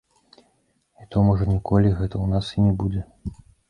І то можа ніколі гэта ў нас і не будзе.